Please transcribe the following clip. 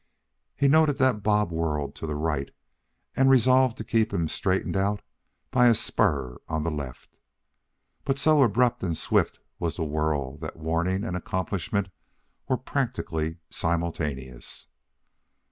He noted that Bob whirled to the right, and resolved to keep him straightened out by a spur on the left. But so abrupt and swift was the whirl that warning and accomplishment were practically simultaneous.